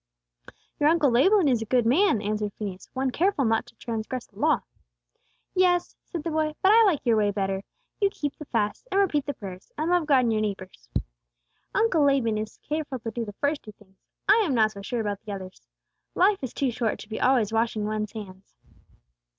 "Your Uncle Laban is a good man," answered Phineas, "one careful not to transgress the Law." "Yes," said the boy. "But I like your way better. You keep the fasts, and repeat the prayers, and love God and your neighbors. Uncle Laban is careful to do the first two things; I am not so sure about the others. Life is too short to be always washing one's hands."